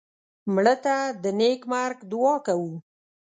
مړه ته د نیک مرګ دعا کوو